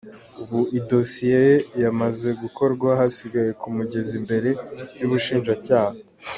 Ubu idosiye ye yamaze gukorwa hasigaye kumugeza imbere y’ubushinjacyaha.